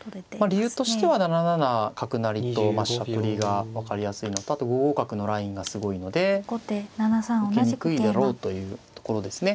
理由としては７七角成とまあ飛車取りが分かりやすいのとあと５五角のラインがすごいので受けにくいだろうということですね。